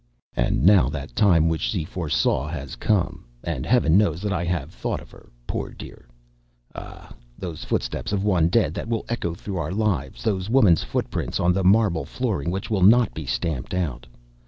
And now that time which she foresaw has come, and Heaven knows that I have thought of her, poor dear. Ah! those footsteps of one dead that will echo through our lives, those woman's footprints on the marble flooring which will not be stamped out.